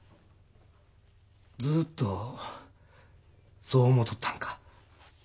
ずっとそう思っとったんか？